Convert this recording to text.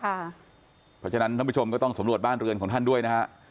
เพราะฉะนั้นท่านผู้ชมก็ต้องสำรวจบ้านเรือนของท่านด้วยนะฮะ